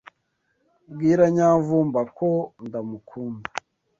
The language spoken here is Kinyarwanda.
Bwira Nyamvumba ko ndamukunda.